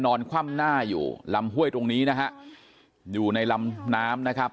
คว่ำหน้าอยู่ลำห้วยตรงนี้นะฮะอยู่ในลำน้ำนะครับ